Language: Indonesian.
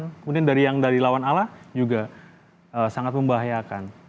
kemudian dari yang dari lawan ala juga sangat membahayakan